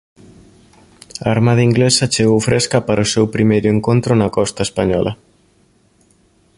A Armada Inglesa chegou fresca para o seu primeiro encontro na costa española.